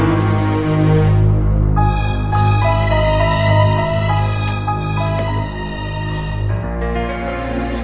mas suha jahat